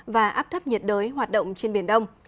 và áp thấp nhiệt đới hoạt động trên biển đông